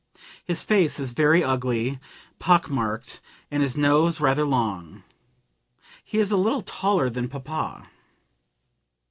His face is very ugly, pockmarked, and his nose rather long. He is a little taller than papa."